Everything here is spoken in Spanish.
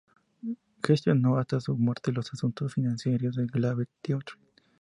Gestionó hasta su muerte los asuntos financieros del "Globe Theatre".